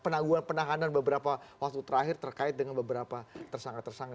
penangguhan penahanan beberapa waktu terakhir terkait dengan beberapa tersangka tersangka